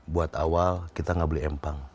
buat awal kita nggak beli empang